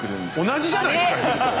同じじゃないですか昼と。あれ？